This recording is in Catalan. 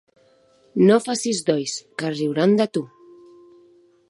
No facis dois, que es riuran de tu!